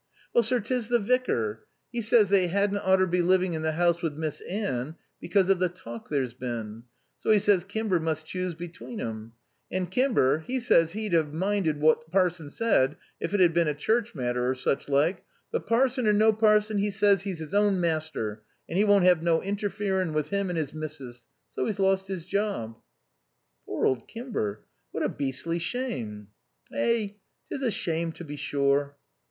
"Well, sir, 'tis the vicar. 'E says they 'adn't oughter be livin' in the house with Miss Anne, because of the talk there's been. So 'e says Kimber must choose between 'em. And Kimber, 'e says 'e'd have minded what parson said if it had a bin a church matter or such like, but parson or no parson, 'e says 'e's his own master an' 'e won't have no interferin' with him and his missus. So he's lost his job." "Poor old Kimber. What a beastly shame." "Eh, 'tis a shame to be sure."